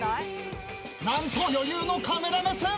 何と余裕のカメラ目線。